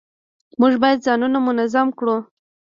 موږ باید ځانونه منظم کړو